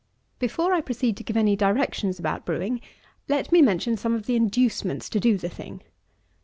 20. Before I proceed to give any directions about brewing, let me mention some of the inducements to do the thing.